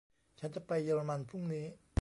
ฉันจะไปเยอรมันพรุ่งนี้